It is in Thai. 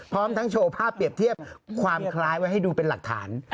พร้อมทั้งโชว์ภาพเปรียบเทียบความคล้ายไว้ให้ดูเป็นหลักฐาน